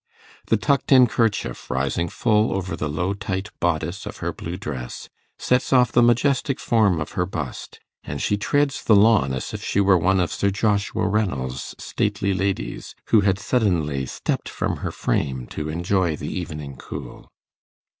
The tucked in kerchief, rising full over the low tight bodice of her blue dress, sets off the majestic form of her bust, and she treads the lawn as if she were one of Sir Joshua Reynolds' stately ladies, who had suddenly stepped from her frame to enjoy the evening cool.